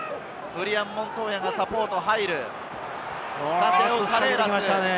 フリアン・モントーヤがサポートに入る。